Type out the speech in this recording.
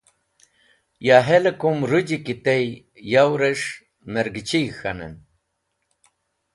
Ya hel-e kum rũji ki tey, yow’res̃h mergechig̃h k̃hanen.